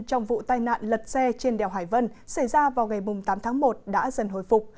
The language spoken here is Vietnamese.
trong vụ tai nạn lật xe trên đèo hải vân xảy ra vào ngày tám tháng một đã dần hồi phục